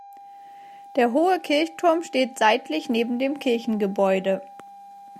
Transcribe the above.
Der hohe Kirchturm steht seitlich neben dem Kirchengebäude.